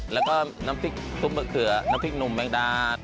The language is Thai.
แล้วก็น้ำพริกซุปมะเขือน้ำพริกหนุ่มแมงดา